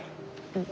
うん。